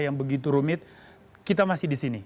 yang begitu rumit kita masih di sini